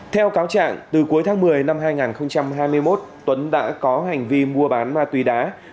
theo cáo trạng từ cuối tháng một mươi năm hai nghìn hai mươi một tuấn đã có hành vi mua bán ma túy đá